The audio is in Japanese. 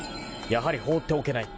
［やはり放っておけない。